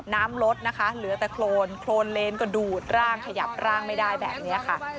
น้ำลดนะคะเหลือแต่โครนโครนเลนก็ดูดร่างขยับร่างไม่ได้แบบนี้ค่ะ